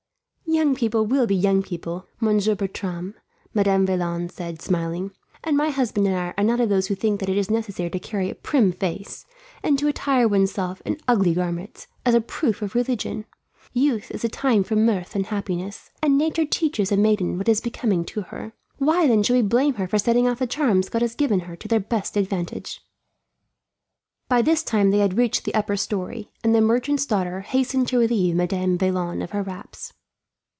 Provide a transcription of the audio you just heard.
"Young people will be young people, Monsieur Bertram," Madame Vaillant said, smiling, "and my husband and I are not of those who think that it is necessary to carry a prim face, and to attire one's self in ugly garments, as a proof of religion. Youth is the time for mirth and happiness, and nature teaches a maiden what is becoming to her; why then should we blame her for setting off the charms God has given her to their best advantage?" By this time they had reached the upper storey, and the merchant's daughter hastened to relieve Madame Vaillant of her wraps.